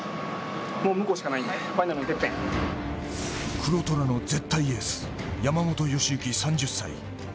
黒虎の絶対エース、山本良幸３０歳。